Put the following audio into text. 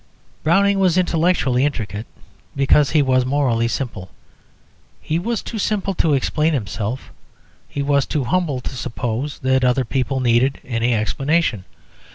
Browning was intellectually intricate because he was morally simple. He was too simple to explain himself; he was too humble to suppose that other people needed any explanation.